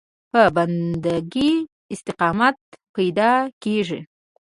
په بنده کې استقامت پیدا کېږي.